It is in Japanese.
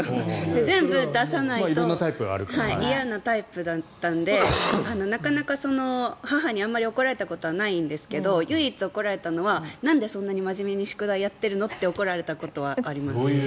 全部出さないと嫌なタイプだったのでなかなか母にあまり怒られたことはないんですが唯一怒られたのはなんでそんなに真面目に宿題やってるの？って怒られたことはあります。